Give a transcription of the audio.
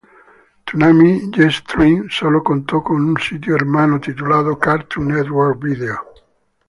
Toonami Jetstream sólo contó con un sitio hermano, titulado “Cartoon Network Video".